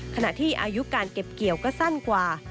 ขณะที่อายุการเก็บเกี่ยวก็สั้นกว่า